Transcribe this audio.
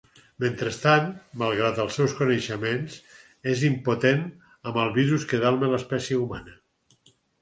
Mentrestant, malgrat els seus coneixements, és impotent amb el virus que delma l'espècie humana.